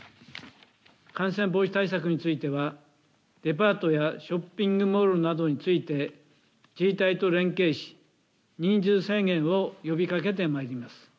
感染防止対策についてはデパートやショッピングモールなどについて自治体と連携し人数制限を呼びかけてまいります。